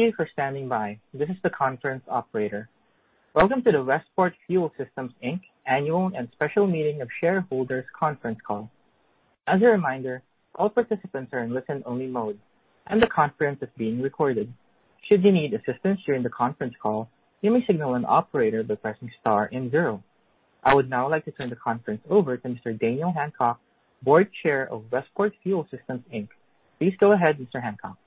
Thank you for standing by. This is the conference operator. Welcome to the Westport Fuel Systems Inc Annual and Special Meeting of Shareholders conference call. As a reminder, all participants are in listen-only mode, and the conference is being recorded. Should you need assistance during the conference call, you may signal an operator by pressing star and zero. I would now like to turn the conference over to Mr. Daniel Hancock, Board Chair of Westport Fuel Systems Inc. Please go ahead, Mr. Hancock.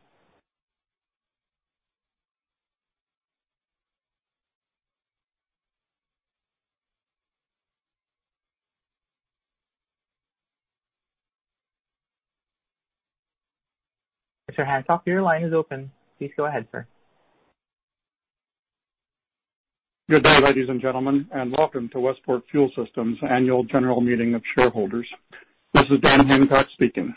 Mr. Hancock, your line is open. Please go ahead, sir. Good day, ladies and gentlemen, welcome to Westport Fuel Systems Annual General Meeting of Shareholders. This is Dan Hancock speaking.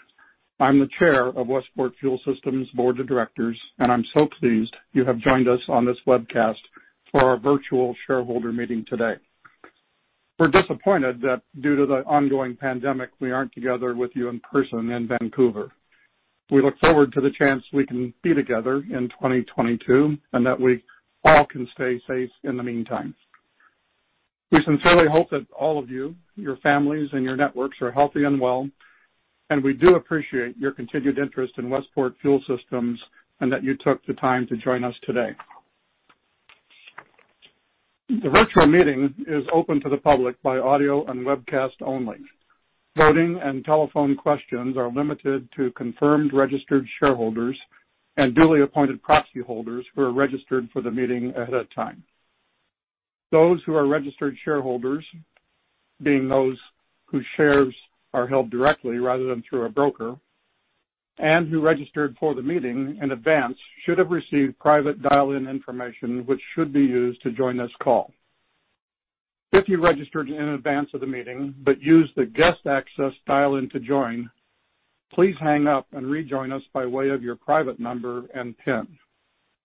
I'm the Chair of Westport Fuel Systems Board of Directors, I'm so pleased you have joined us on this webcast for our virtual shareholder meeting today. We're disappointed that due to the ongoing pandemic, we aren't together with you in person in Vancouver. We look forward to the chance we can be together in 2022 that we all can stay safe in the meantime. We sincerely hope that all of you, your families, your networks are healthy and well, we do appreciate your continued interest in Westport Fuel Systems that you took the time to join us today. The virtual meeting is open to the public by audio and webcast only. Voting and telephone questions are limited to confirmed registered shareholders and duly appointed proxy holders who are registered for the meeting ahead of time. Those who are registered shareholders, being those whose shares are held directly rather than through a broker, and who registered for the meeting in advance should have received private dial-in information which should be used to join this call. If you registered in advance of the meeting but used the guest access dial-in to join, please hang up and rejoin us by way of your private number and PIN.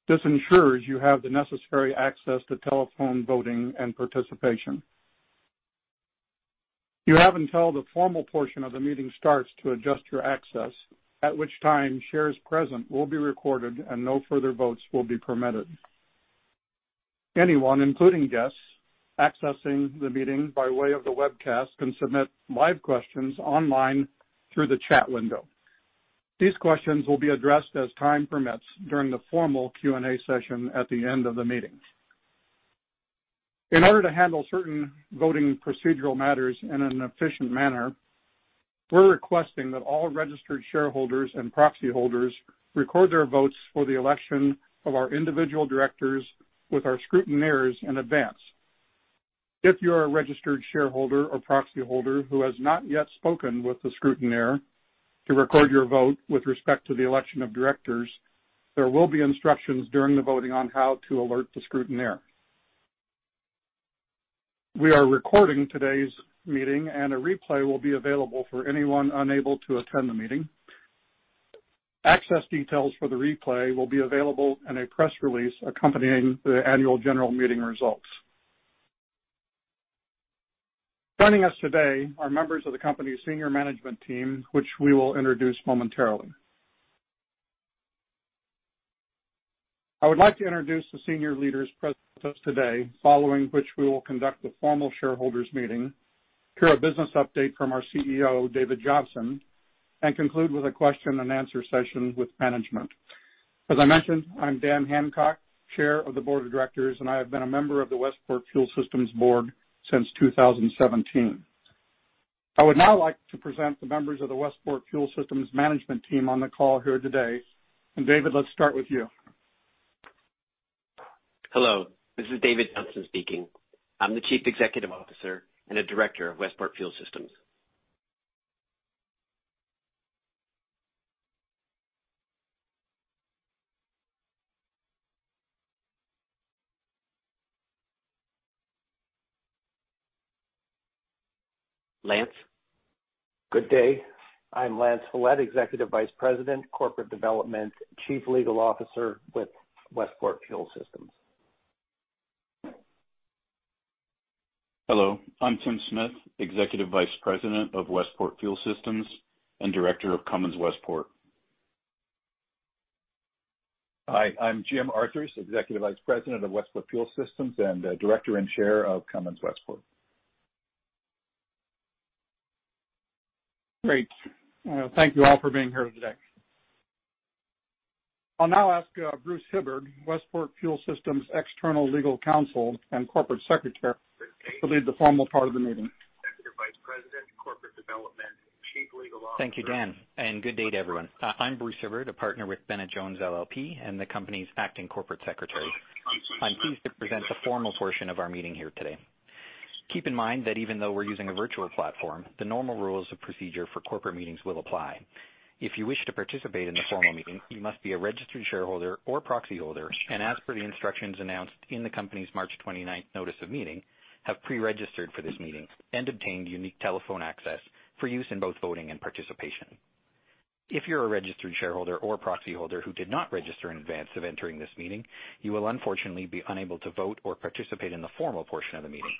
This ensures you have the necessary access to telephone voting and participation. You have until the formal portion of the meeting starts to adjust your access, at which time shares present will be recorded and no further votes will be permitted. Anyone, including guests, accessing the meeting by way of the webcast can submit live questions online through the chat window. These questions will be addressed as time permits during the formal Q&A session at the end of the meeting. In order to handle certain voting procedural matters in an efficient manner, we are requesting that all registered shareholders and proxy holders record their votes for the election of our individual directors with our scrutineers in advance. If you are a registered shareholder or proxy holder who has not yet spoken with a scrutineer to record your vote with respect to the election of directors, there will be instructions during the voting on how to alert the scrutineer. We are recording today's meeting, and a replay will be available for anyone unable to attend the meeting. Access details for the replay will be available in a press release accompanying the Annual General Meeting results. Joining us today are members of the company's senior management team, which we will introduce momentarily. I would like to introduce the senior leaders present with us today, following which we will conduct the formal shareholders' meeting, hear a business update from our CEO, David Johnson, and conclude with a question and answer session with management. As I mentioned, I'm Dan Hancock, Chair of the Board of Directors, and I have been a member of the Westport Fuel Systems Board since 2017. I would now like to present the members of the Westport Fuel Systems management team on the call here today. David, let's start with you. Hello. This is David Johnson speaking. I'm the Chief Executive Officer and a Director of Westport Fuel Systems. Lance? Good day. I'm Lance Follett, Executive Vice President, Corporate Development, Chief Legal Officer with Westport Fuel Systems. Hello. I'm Tim Smith, Executive Vice President of Westport Fuel Systems and Director of Cummins Westport. Hi, I'm Jim Arthurs, Executive Vice President of Westport Fuel Systems and Director and Chair of Cummins Westport. Great. Thank you all for being here today. I'll now ask Bruce Hibbard, Westport Fuel Systems External Legal Counsel and Corporate Secretary, to lead the formal part of the meeting. Thank you, Daniel, and good day, everyone. I'm Bruce Hibbard, a partner with Bennett Jones LLP and the company's acting corporate secretary. I'm pleased to present the formal portion of our meeting here today. Keep in mind that even though we're using a virtual platform, the normal rules of procedure for corporate meetings will apply. If you wish to participate in the formal meeting, you must be a registered shareholder or proxy holder and as per the instructions announced in the company's March 29th notice of meeting, have pre-registered for this meeting and obtained unique telephone access for use in both voting and participation. If you're a registered shareholder or proxy holder who did not register in advance of entering this meeting, you will unfortunately be unable to vote or participate in the formal portion of the meeting.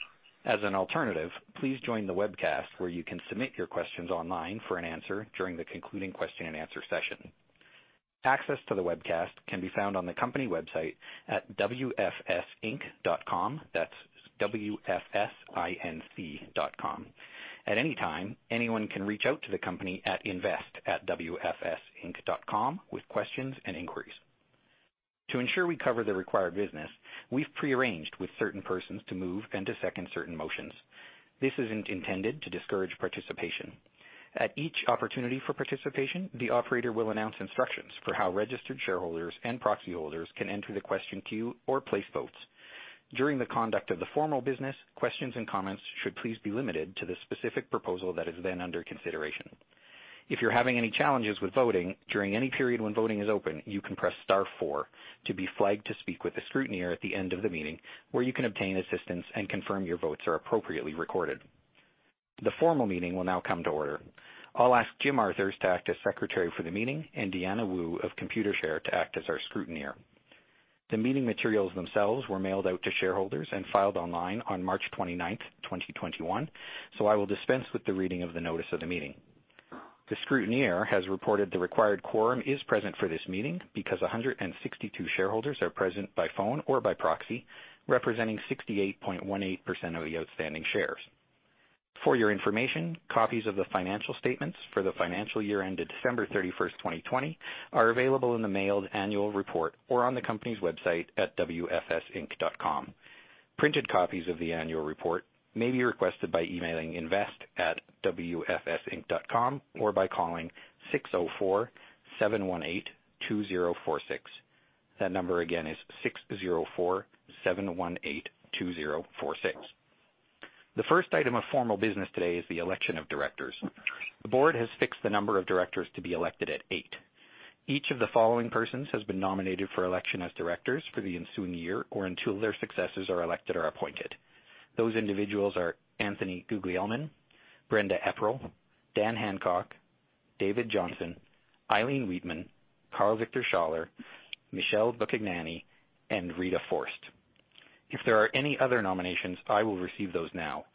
As an alternative, please join the webcast where you can submit your questions online for answer during the concluding question and answer session. Access to the webcast can be found on the company website at wfsinc.com. That's W-F-S-I-N-C.com. At any time, anyone can reach out to the company at invest@wfsinc.com with questions and inquiries. To ensure we cover the required business, we've pre-arranged with certain persons to move and to second certain motions. This isn't intended to discourage participation. At each opportunity for participation, the operator will announce instructions for how registered shareholders and proxy holders can enter the question queue or place votes. During the conduct of the formal business, questions and comments should please be limited to the specific proposal that is then under consideration. If you're having any challenges with voting, during any period when voting is open, you can press star four to be flagged to speak with the scrutineer at the end of the meeting, where you can obtain assistance and confirm your votes are appropriately recorded. The formal meeting will now come to order. I'll ask Jim Arthurs to act as secretary for the meeting, and Deanna Woo of Computershare to act as our scrutineer. The meeting materials themselves were mailed out to shareholders and filed online on March 29th, 2021, so I will dispense with the reading of the notice of the meeting. The scrutineer has reported the required quorum is present for this meeting because 162 shareholders are present by phone or by proxy, representing 68.18% of the outstanding shares. For your information, copies of the financial statements for the financial year ended December 31st, 2020 are available in the mailed annual report or on the company's website at wfsinc.com. Printed copies of the annual report may be requested by emailing invest@wfsinc.com or by calling 604-718-2046. That number again is 604-718-2046. The first item of formal business today is the election of directors. The board has fixed the number of directors to be elected at eight. Each of the following persons has been nominated for election as directors for the ensuing year or until their successors are elected or appointed. Those individuals are Anthony Guglielmin, Brenda Eprile, Dan Hancock, David Johnson, Eileen Wheatman, Karl-Viktor Schaller, Michele Buchignani, and Rita Forst. If there are any other nominations, I will receive those now.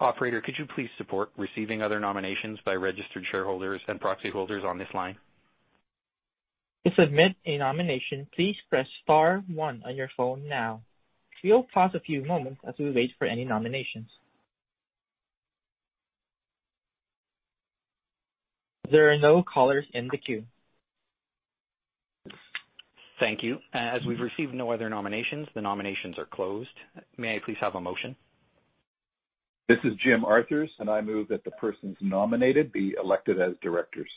Operator, could you please support receiving other nominations by registered shareholders and proxy holders on this line? To submit a nomination, please press star one on your phone now. We will pause a few moments as we wait for any nominations. There are no callers in the queue. Thank you. As we've received no other nominations, the nominations are closed. May I please have a motion? This is Jim Arthurs, and I move that the persons nominated be elected as directors.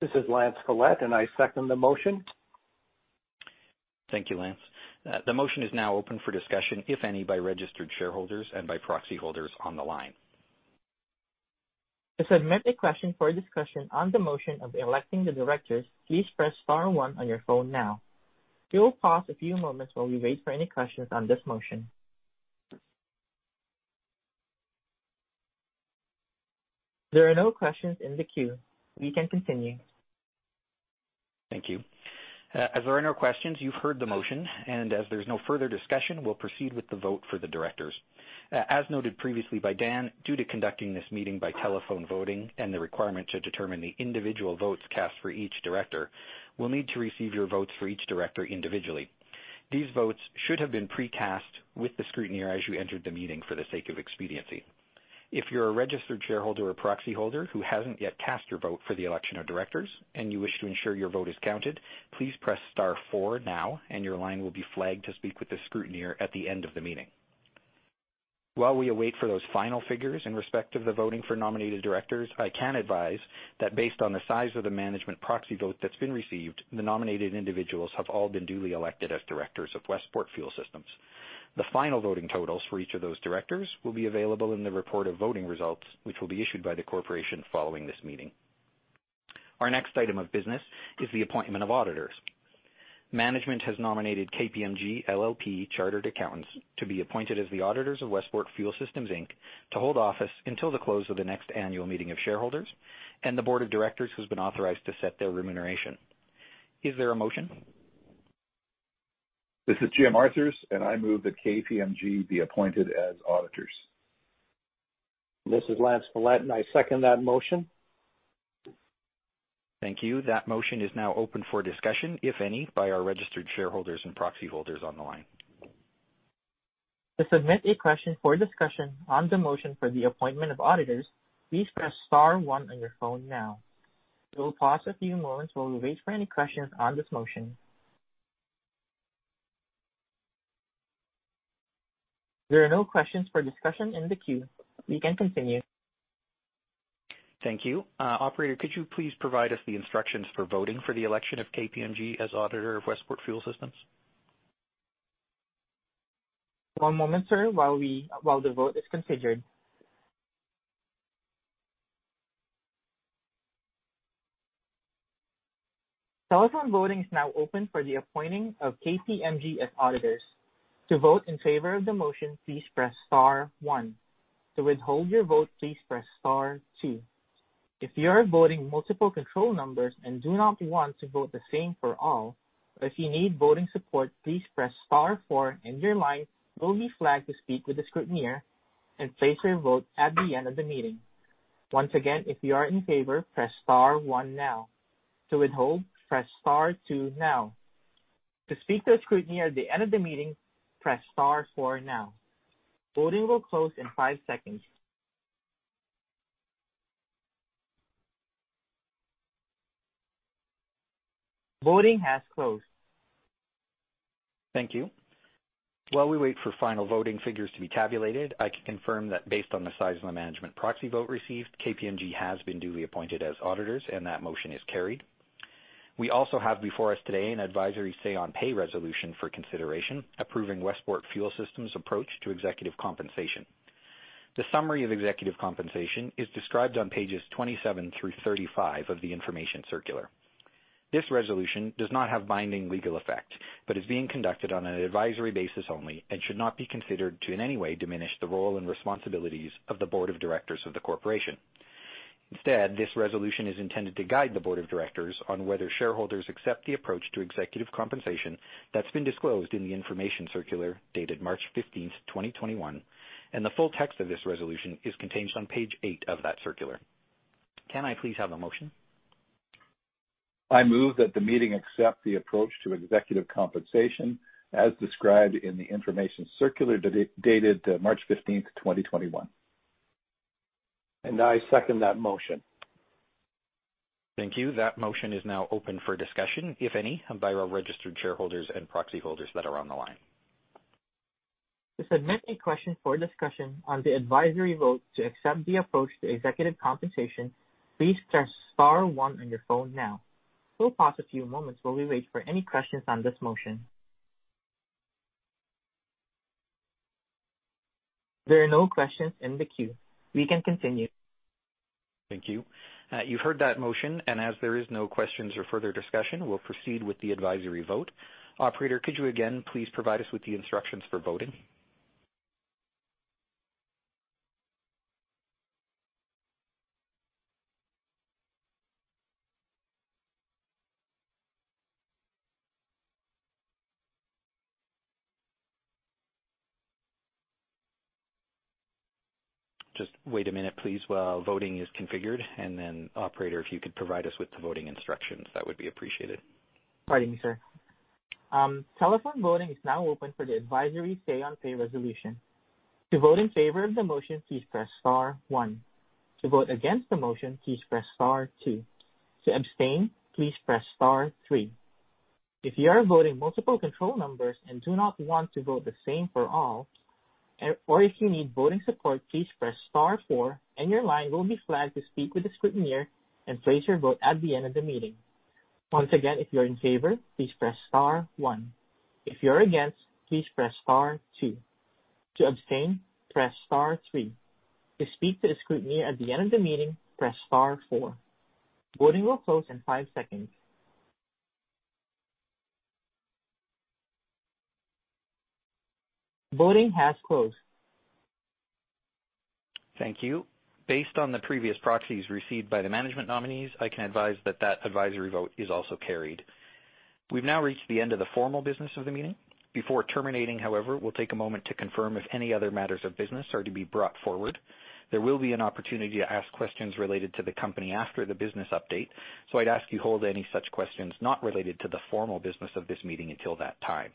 This is Lance Follett, and I second the motion. Thank you, Lance. The motion is now open for discussion, if any, by registered shareholders and by proxy holders on the line. To submit a question for discussion on the motion of electing the directors, please press star one on your phone now. We will pause a few moments while we wait for any questions on this motion. There are no questions in the queue. We can continue. Thank you. As there are no questions, you've heard the motion, and as there's no further discussion, we'll proceed with the vote for the directors. As noted previously by Dan, due to conducting this meeting by telephone voting and the requirement to determine the individual votes cast for each director, we'll need to receive your votes for each director individually. These votes should have been pre-cast with the scrutineer as you entered the meeting for the sake of expediency. If you're a registered shareholder or proxy holder who hasn't yet cast your vote for the election of directors and you wish to ensure your vote is counted, please press star four now and your line will be flagged to speak with the scrutineer at the end of the meeting. While we await for those final figures in respect of the voting for nominated directors, I can advise that based on the size of the management proxy vote that's been received, the nominated individuals have all been duly elected as directors of Westport Fuel Systems. The final voting totals for each of those directors will be available in the report of voting results, which will be issued by the corporation following this meeting. Our next item of business is the appointment of auditors. Management has nominated KPMG LLP Chartered Accountants to be appointed as the auditors of Westport Fuel Systems Inc to hold office until the close of the next annual meeting of shareholders, and the board of directors who's been authorized to set their remuneration. Is there a motion? This is Jim Arthurs, and I move that KPMG be appointed as auditors. This is Lance Follett and I second that motion. Thank you. That motion is now open for discussion, if any, by our registered shareholders and proxy holders on the line. To submit a question for discussion on the motion for the appointment of auditors, please press star one on your phone now. We will pause a few moments while we wait for any questions on this motion. There are no questions for discussion in the queue. We can continue. Thank you. Operator, could you please provide us the instructions for voting for the election of KPMG as auditor of Westport Fuel Systems? One moment, sir, while the vote is configured. Telephone voting is now open for the appointing of KPMG as auditors. To vote in favor of the motion, please press star one. To withhold your vote, please press star two. If you are voting multiple control numbers and do not want to vote the same for all, or if you need voting support, please press star four and your line will be flagged to speak with the scrutineer and place your vote at the end of the meeting. Once again, if you are in favor, press star one now. To withhold, press star two now. To speak to the scrutineer at the end of the meeting, press star four now. Voting will close in five seconds. Voting has closed. Thank you. While we wait for final voting figures to be tabulated, I can confirm that based on the size of the management proxy vote received, KPMG has been duly appointed as auditors and that motion is carried. We also have before us today an advisory say-on-pay resolution for consideration, approving Westport Fuel Systems approach to executive compensation. The summary of executive compensation is described on pages 27 through 35 of the information circular. This resolution does not have binding legal effect, but is being conducted on an advisory basis only and should not be considered to in any way diminish the role and responsibilities of the board of directors of the corporation. Instead, this resolution is intended to guide the board of directors on whether shareholders accept the approach to executive compensation that's been disclosed in the information circular dated March 15th, 2021, and the full text of this resolution is contained on page eight of that circular. Can I please have a motion? I move that the meeting accept the approach to executive compensation as described in the information circular dated March 15th, 2021. I second that motion. Thank you. That motion is now open for discussion, if any, by our registered shareholders and proxy holders that are on the line. To submit any questions for discussion on the advisory vote to accept the approach to executive compensation, please press star one on your phone now. We'll pause a few moments while we wait for any questions on this motion. There are no questions in the queue. We can continue. Thank you. You heard that motion, and as there is no questions or further discussion, we'll proceed with the advisory vote. Operator, could you again please provide us with the instructions for voting? Just wait a minute, please, while voting is configured, and then operator, if you could provide us with the voting instructions, that would be appreciated. Pardon me, sir. Telephone voting is now open for the advisory say-on-pay resolution. To vote in favor of the motion, please press star one. To vote against the motion, please press star two. To abstain, please press star three. If you are voting multiple control numbers and do not want to vote the same for all, or if you need voting support, please press star four, and your line will be flagged to speak with the scrutineer and place your vote at the end of the meeting. Once again, if you're in favor, please press star one. If you're against, please press star two. To abstain, press star three. To speak to the scrutineer at the end of the meeting, press star four. Voting will close in five seconds. Voting has closed. Thank you. Based on the previous proxies received by the management nominees, I can advise that that advisory vote is also carried. We've now reached the end of the formal business of the meeting. Before terminating, however, we'll take a moment to confirm if any other matters of business are to be brought forward. There will be an opportunity to ask questions related to the company after the business update, so I'd ask you hold any such questions not related to the formal business of this meeting until that time.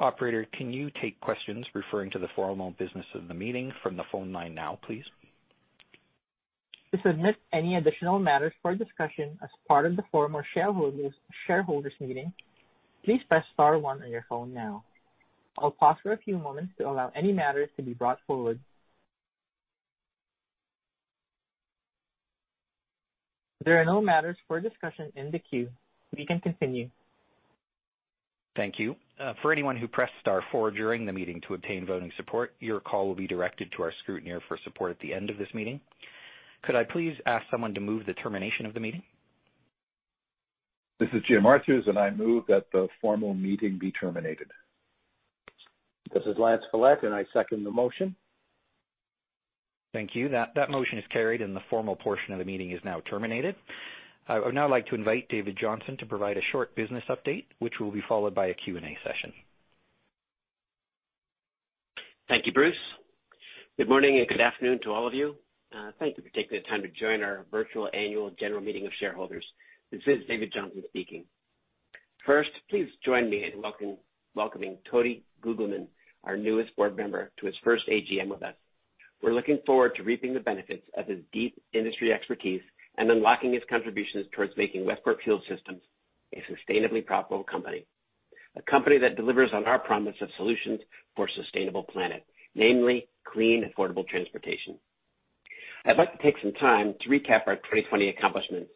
Operator, can you take questions referring to the formal business of the meeting from the phone line now, please? To submit any additional matters for discussion as part of the formal shareholders meeting, please press star one on your phone now. I will pause for a few moments to allow any matters to be brought forward. There are no matters for discussion in the queue. We can continue. Thank you. For anyone who pressed star four during the meeting to obtain voting support, your call will be directed to our scrutineer for support at the end of this meeting. Could I please ask someone to move the termination of the meeting? This is Jim Arthurs, and I move that the formal meeting be terminated. This is Lance Follett, and I second the motion. Thank you. That motion is carried, and the formal portion of the meeting is now terminated. I would now like to invite David Johnson to provide a short business update, which will be followed by a Q&A session. Thank you, Bruce. Good morning and good afternoon to all of you. Thank you for taking the time to join our virtual annual general meeting of shareholders. This is David Johnson speaking. First, please join me in welcoming Tony Guglielmin, our newest board member, to his first AGM with us. We're looking forward to reaping the benefits of his deep industry expertise and unlocking his contributions towards making Westport Fuel Systems a sustainably profitable company, a company that delivers on our promise of solutions for a sustainable planet, namely clean, affordable transportation. I'd like to take some time to recap our 2020 accomplishments.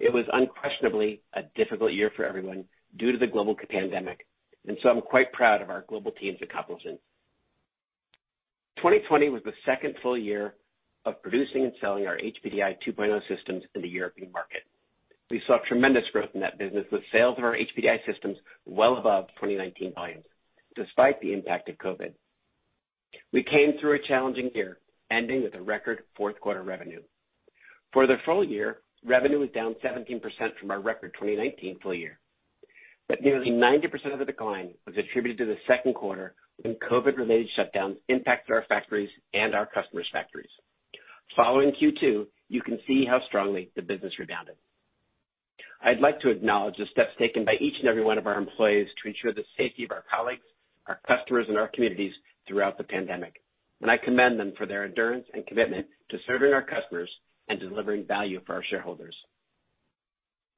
It was unquestionably a difficult year for everyone due to the global pandemic, and so I'm quite proud of our global team's accomplishments. 2020 was the second full year of producing and selling our HPDI 2.0 systems in the European market. We saw tremendous growth in that business, with sales of our HPDI systems well above 2019 volumes, despite the impact of COVID. We came through a challenging year, ending with a record fourth quarter revenue. For the full year, revenue was down 17% from our record 2019 full year. Nearly 90% of the decline was attributed to the second quarter when COVID-related shutdowns impacted our factories and our customers' factories. Following Q2, you can see how strongly the business rebounded. I'd like to acknowledge the steps taken by each and every one of our employees to ensure the safety of our colleagues, our customers, and our communities throughout the pandemic, and I commend them for their endurance and commitment to serving our customers and delivering value for our shareholders.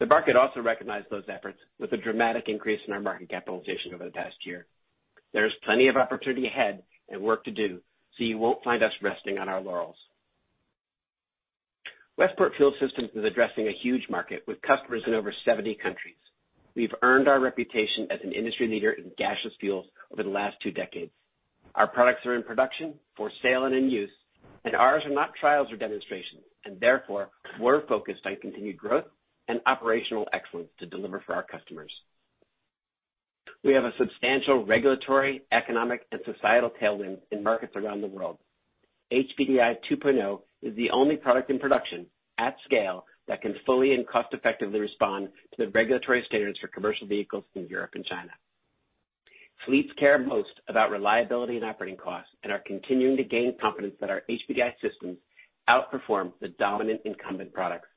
The market also recognized those efforts with a dramatic increase in our market capitalization over the past year. There is plenty of opportunity ahead and work to do, so you won't find us resting on our laurels. Westport Fuel Systems is addressing a huge market with customers in over 70 countries. We've earned our reputation as an industry leader in gaseous fuels over the last two decades. Our products are in production for sale and in use, and ours are not trials or demonstrations, and therefore, we're focused on continued growth and operational excellence to deliver for our customers. We have a substantial regulatory, economic, and societal tailwind in markets around the world. HPDI 2.0 is the only product in production at scale that can fully and cost-effectively respond to the regulatory standards for commercial vehicles in Europe and China. Fleets care most about reliability and operating costs and are continuing to gain confidence that our HPDI systems outperform the dominant incumbent products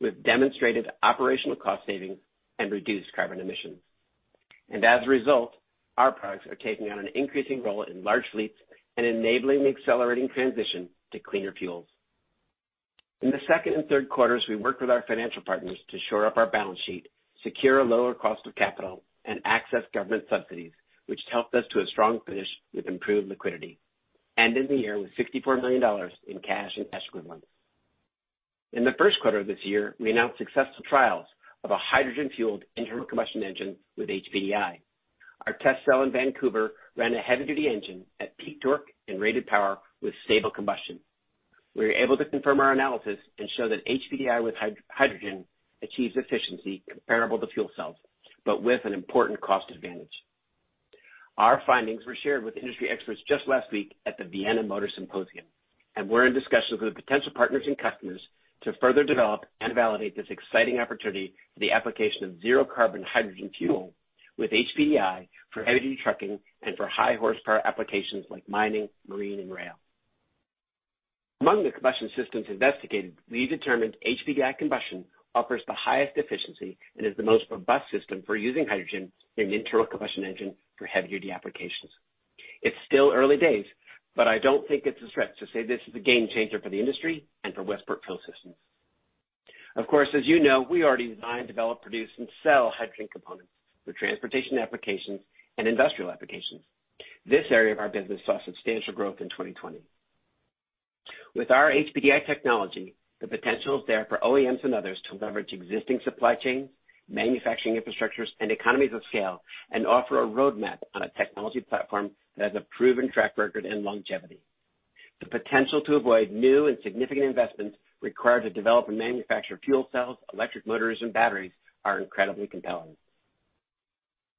with demonstrated operational cost savings and reduced carbon emissions. As a result, our products are taking on an increasing role in large fleets and enabling the accelerating transition to cleaner fuels. In the second and third quarters, we worked with our financial partners to shore up our balance sheet, secure a lower cost of capital, and access government subsidies, which helped us to a strong finish with improved liquidity. We ended the year with $54 million in cash and equivalents. In the first quarter of this year, we announced successful trials of a hydrogen-fueled internal combustion engine with HPDI. Our test cell in Vancouver ran a heavy-duty engine at peak torque and rated power with stable combustion. We were able to confirm our analysis and show that HPDI with hydrogen achieves efficiency comparable to fuel cells, but with an important cost advantage. Our findings were shared with industry experts just last week at the Vienna Motor Symposium, and we're in discussions with potential partners and customers to further develop and validate this exciting opportunity for the application of zero-carbon hydrogen fuel with HPDI for heavy-duty trucking and for high-horsepower applications like mining, marine, and rail. Among the combustion systems investigated, we determined HPDI combustion offers the highest efficiency and is the most robust system for using hydrogen in an internal combustion engine for heavy-duty applications. It's still early days, but I don't think it's a stretch to say this is a game-changer for the industry and for Westport Fuel Systems. Of course, as you know, we already design, develop, produce, and sell hydrogen components for transportation applications and industrial applications. This area of our business saw substantial growth in 2020. With our HPDI technology, the potential is there for OEMs and others to leverage existing supply chain, manufacturing infrastructures, and economies of scale and offer a roadmap on a technology platform that has a proven track record in longevity. The potential to avoid new and significant investments required to develop and manufacture fuel cells, electric motors, and batteries are incredibly compelling.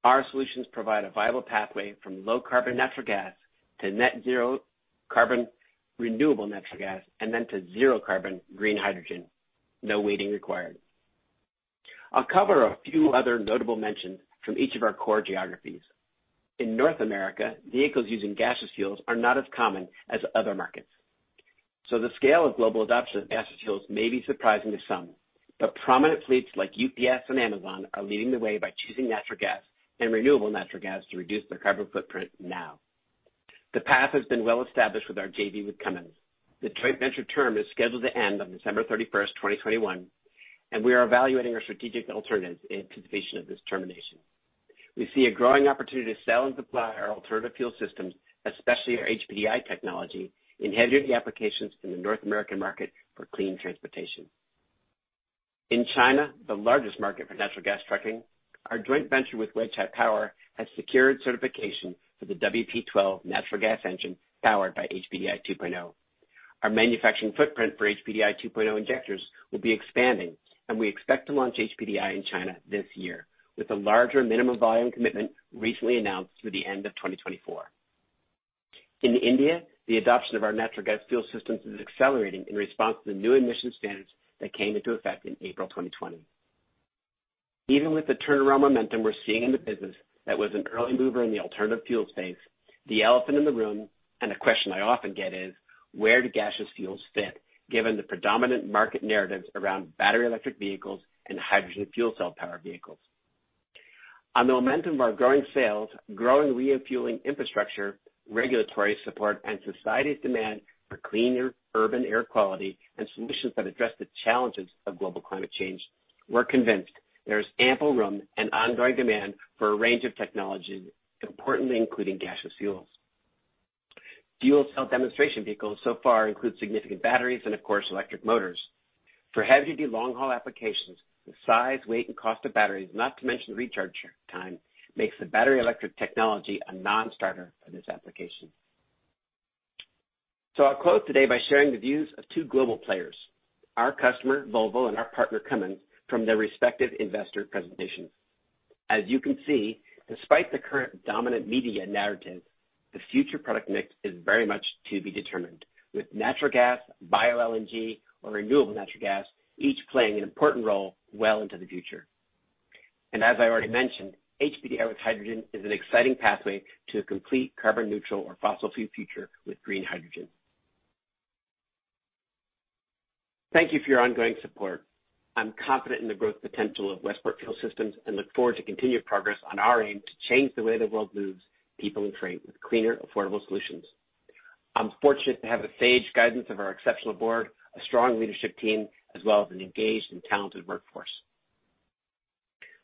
Our solutions provide a viable pathway from low-carbon natural gas to net zero carbon renewable natural gas, and then to zero-carbon green hydrogen. No waiting required. I'll cover a few other notable mentions from each of our core geographies. In North America, vehicles using gaseous fuels are not as common as other markets. The scale of global adoption of gaseous fuels may be surprising to some, but prominent fleets like UPS and Amazon are leading the way by choosing natural gas and renewable natural gas to reduce their carbon footprint now. The path has been well established with our JV with Cummins. The joint venture term is scheduled to end on December 31st, 2021, and we are evaluating our strategic alternatives in anticipation of this termination. We see a growing opportunity to sell and supply our alternative fuel systems, especially our HPDI technology, in heavy-duty applications in the North American market for clean transportation. In China, the largest market for natural gas trucking, our joint venture with Weichai Power has secured certification for the WP12 natural gas engine powered by HPDI 2.0. Our manufacturing footprint for HPDI 2.0 injectors will be expanding, and we expect to launch HPDI in China this year with a larger minimum volume commitment recently announced through the end of 2024. In India, the adoption of our natural gas fuel systems is accelerating in response to new emission standards that came into effect in April 2020. Even with the turnaround momentum we're seeing in the business that was an early mover in the alternative fuel space, the elephant in the room, and a question I often get is, where do gaseous fuels fit, given the predominant market narratives around battery electric vehicles and hydrogen fuel cell-powered vehicles? On the momentum of our growing sales, growing refueling infrastructure, regulatory support, and society's demand for cleaner urban air quality and solutions that address the challenges of global climate change, we're convinced there is ample room and ongoing demand for a range of technologies, importantly including gaseous fuels. Fuel cell demonstration vehicles so far include significant batteries and, of course, electric motors. For heavy-duty long-haul applications, the size, weight, and cost of batteries, not to mention recharge time, makes the battery electric technology a non-starter for this application. I'll close today by sharing the views of two global players, our customer, Volvo, and our partner, Cummins, from their respective investor presentations. As you can see, despite the current dominant media narrative, the future product mix is very much to be determined. With natural gas, Bio-LNG, or renewable natural gas, each playing an important role well into the future. As I already mentioned, HPDI with hydrogen is an exciting pathway to a complete carbon-neutral or fossil-free future with green hydrogen. Thank you for your ongoing support. I'm confident in the growth potential of Westport Fuel Systems and look forward to continued progress on our aim to change the way the world moves people and freight with cleaner, affordable solutions. I'm fortunate to have the sage guidance of our exceptional board, a strong leadership team, as well as an engaged and talented workforce.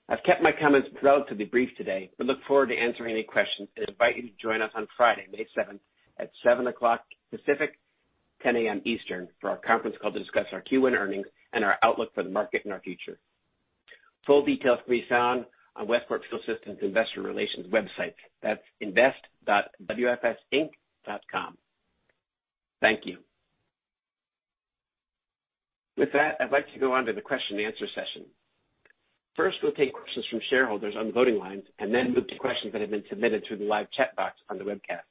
I've kept my comments relatively brief today, but look forward to answering any questions and invite you to join us on Friday, May 7 at 7:00 A.M. Pacific, 10:00 A.M. Eastern, for our conference call to discuss our Q1 earnings and our outlook for the market and our future. Full details can be found on Westport Fuel Systems investor relations website. That's invest.wfsinc.com. Thank you. With that, I'd like to go on to the question and answer session. First, we'll take questions from shareholders on the voting lines and then move to questions that have been submitted through the live chat box on the webcast.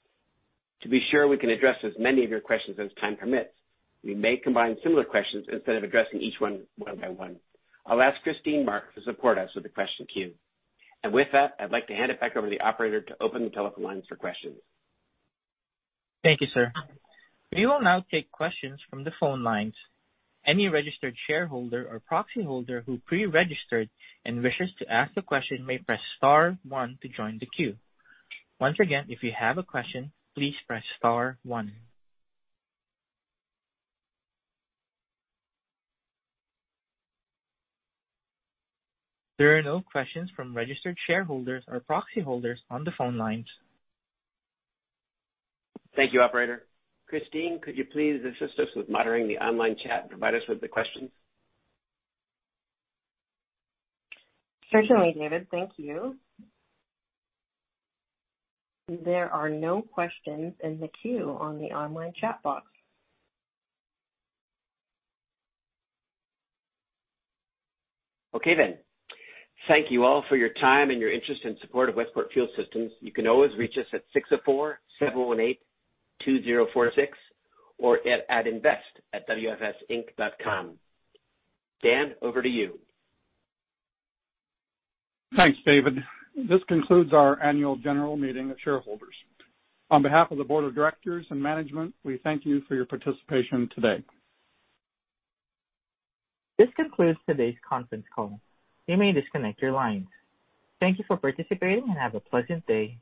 To be sure we can address as many of your questions as time permits, we may combine similar questions instead of addressing each one by one. I'll ask Christine Marks to support us with the question queue. With that, I'd like to hand it back over to the operator to open the telephone lines for questions. Thank you, sir. We will now take questions from the phone lines. Any registered shareholder or proxy holder who pre-registered and wishes to ask a question may press star one to join the queue. Once again, if you have a question, please press star one. There are no questions from registered shareholders or proxy holders on the phone lines. Thank you, operator. Christine, could you please assist us with monitoring the online chat and provide us with the questions? Certainly, David. Thank you. There are no questions in the queue on the online chat box. Okay then. Thank you all for your time and your interest and support of Westport Fuel Systems. You can always reach us at 604-718-2046 or at invest@wfsinc.com. Dan, over to you. Thanks, David. This concludes our annual general meeting of shareholders. On behalf of the board of directors and management, we thank you for your participation today. This concludes today's conference call. You may disconnect your lines. Thank you for participating, and have a pleasant day.